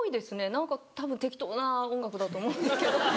何かたぶん適当な音楽だと思うんですけど。